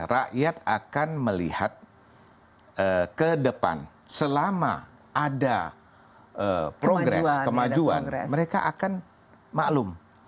rakyat akan melihat ke depan selama ada progres kemajuan mereka akan maklum